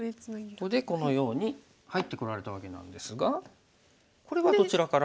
ここでこのように入ってこられたわけなんですがこれはどちらから。